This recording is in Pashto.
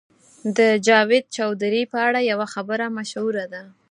د جاوید چودهري په اړه یوه خبره مشهوره ده.